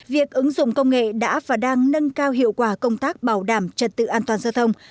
việc ứng dụng công nghệ đã và đang nâng cao hiệu quả công tác bảo đảm trật tự an toàn giao thông